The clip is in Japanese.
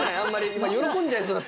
今喜んじゃいそうだった！